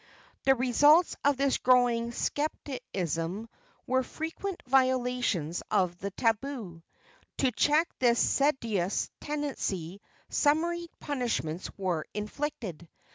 The results of this growing scepticism were frequent violations of the tabu. To check this seditious tendency summary punishments were inflicted.